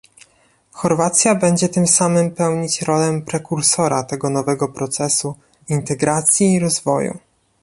Chorwacja będzie tym samym pełnić rolę prekursora tego nowego procesu integracji i rozwoju